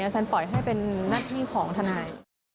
แสนปล่อยให้เป็นนักหนี้ของทนาย